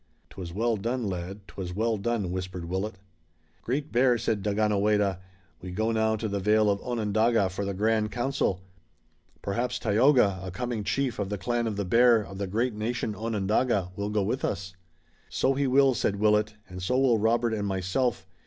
"'Twas well done, lad! 'twas well done!" whispered Willet. "Great Bear," said Daganoweda, "we go now to the vale of Onondaga for the grand council. Perhaps Tayoga, a coming chief of the clan of the Bear, of the great nation Onondaga, will go with us." "So he will," said Willet, "and so will Robert and myself.